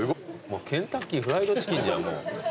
もうケンタッキーフライドチキンじゃんもう。